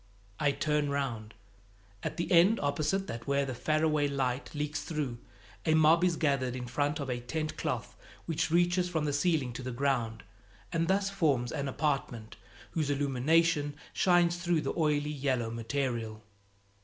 I turn round. At the end opposite that where the faraway light leaks through, a mob is gathered in front of a tent cloth which reaches from the ceiling to the ground, and thus forms an apartment, whose illumination shines through the oily yellow material.